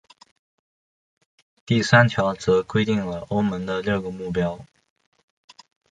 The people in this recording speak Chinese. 第三条则规定了欧盟的六个目标。